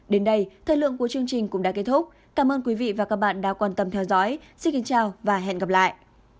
đến đây thời lượng của chương trình cũng đã kết thúc cảm ơn quý vị và các bạn đã quan tâm theo dõi xin kính chào và hẹn gặp lại